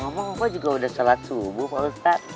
pak ustadz juga udah shalat subuh pak ustadz